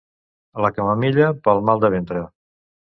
La camamilla pel mal de ventre.